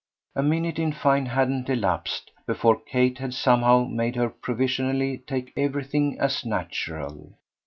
A minute in fine hadn't elapsed before Kate had somehow made her provisionally take everything as natural.